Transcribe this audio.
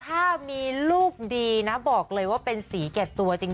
ถ้ามีลูกดีนะบอกเลยว่าเป็นสีแก่ตัวจริง